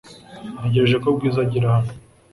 Ntegereje ko Bwiza agera hano .